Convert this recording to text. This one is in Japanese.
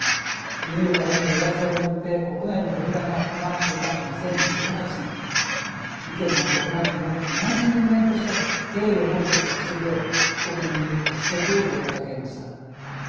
ＥＵからの離脱を巡って国内の分断が深まっていた２０１８年意見が異なっても同じ人間として敬意をもって接するよう国民に結束を呼びかけました。